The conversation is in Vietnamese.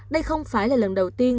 đây không phải là lần đầu tiên